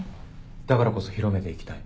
だからこそ広めていきたい。